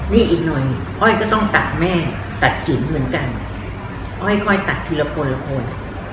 นี่อีกหน่อยอ้อยก็ต้องตัดแม่ตัดสินเหมือนกันอ้อยค่อยตัดทีละคนละคน